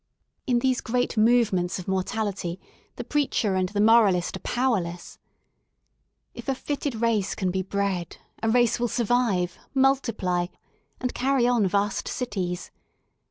In these great movements of 173 THE SOUL OF LONDON mortality the preacher and the moralist are powerless. If a fitted race can be bred, a race will survive, multiply and carry on vast cities.